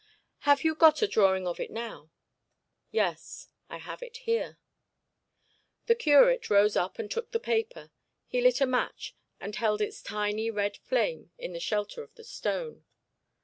'Have you got a drawing of it now?' 'Yes, I have it here.' The curate rose up and took the paper. He lit a match, and held its tiny red flame in the shelter of the stone.